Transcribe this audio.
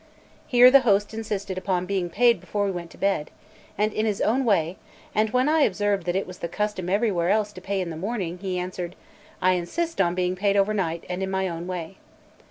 Here the host insisted upon being paid before we went to bed, and in his own way; and when I observed that it was the custom everywhere else to pay in the morning, he answered: "I insist on being paid overnight, and in my own way."